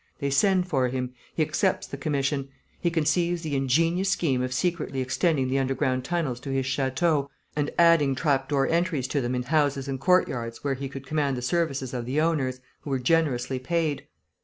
They send for him; he accepts the commission; he conceives the ingenious scheme of secretly extending the underground tunnels to his château and adding trap door entries to them in houses and courtyards where he could command the services of the owners, who were generously paid.